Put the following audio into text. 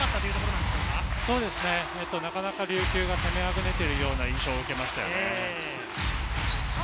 なかなか、琉球が攻めあぐねている印象を受けましたよね。